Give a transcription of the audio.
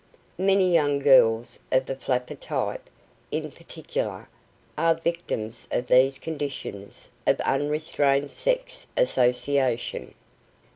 Many young girls of the "flapper" type, in particular, are victims of these conditions of unrestrained sex association.